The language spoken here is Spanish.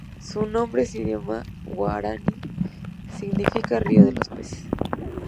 Su nombre en idioma guaraní significa "río de los peces".